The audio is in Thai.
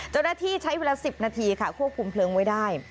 เจ้าหน้าที่ใช้เวลา๑๐นาทีค่ะควบคุมเพลิงไว้ได้